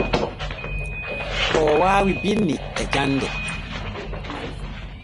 Oo waawi binni e jande.